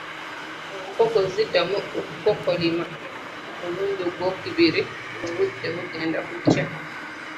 Enkoko ziddamu okukookolima omulundi ogwokubiri nga obudde bugenda kukya.